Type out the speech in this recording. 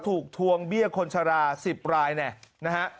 ทวงเบี้ยคนชรา๑๐รายเนี่ยนะฮะ